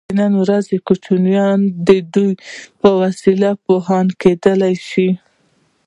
د نن ورځې کوچنیان د دوی په وسیله پوهان کیدای شي.